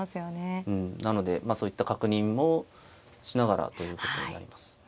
うんなのでそういった確認もしながらということになります。